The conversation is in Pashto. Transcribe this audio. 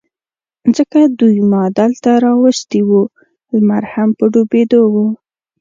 ځکه دوی ما دلته را وستي و، لمر هم په ډوبېدو و.